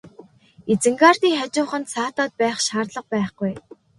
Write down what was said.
Изенгардын хажууханд саатаад байх шаардлага байхгүй.